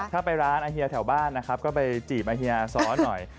ถ้าไปร้านอาเฮียแถวบ้านนะครับก็ไปจีบอาเฮียซ้อนหน่อย